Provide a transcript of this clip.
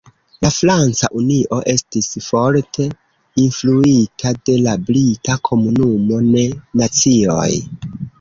La Franca Unio estis forte influita de la brita Komunumo de Nacioj.